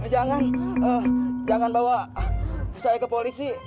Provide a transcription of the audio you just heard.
jangan bawa saya ke polisi